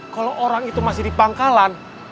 kalau orang itu masih di pangkalan